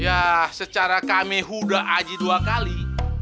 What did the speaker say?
yah secara kami huda aja dua kali